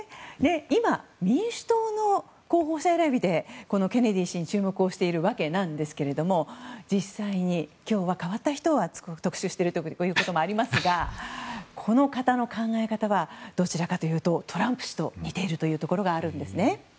今、民主党の候補者選びでケネディ氏に注目しているわけなんですけれど実際に今日は、変わった人を特集していることもありますがこの方の考え方はどちらかというとトランプ氏と似ているというところがあるんですね。